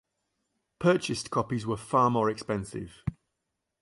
Purchased copies were far more expensive.